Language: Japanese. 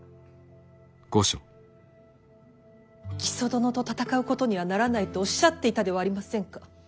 木曽殿と戦うことにはならないとおっしゃっていたではありませんか。